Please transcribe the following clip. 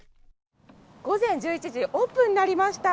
午前１１時、オープンになりました